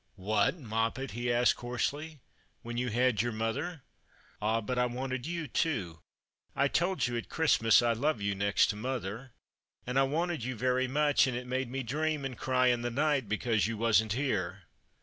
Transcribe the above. " What, Moppet," he asked hoarsely, " when you had your mother ?"" Ah, but I wanted you too. I told you at Christmas I love you next to mother. And I wanted you very much, and it made me dream and cry in the night because you wasn't here."